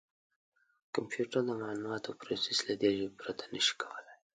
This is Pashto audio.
کمپیوټر د معلوماتو پروسس له دې ژبې پرته نه شي کولای.